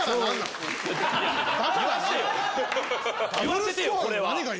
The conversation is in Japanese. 言わせてよこれは。